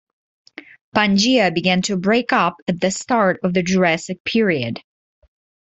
Pangaea began to break up at the start of the Jurassic period.